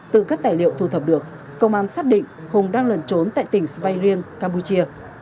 từ các tài liệu thu thập được công an xác định hùng đang lần trốn tại tỉnh svay riêng campuchia